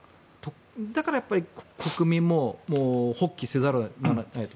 だから国民も発起せざるを得ないと。